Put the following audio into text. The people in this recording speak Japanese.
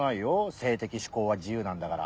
性的嗜好は自由なんだから。